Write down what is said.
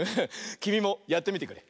きみもやってみてくれ。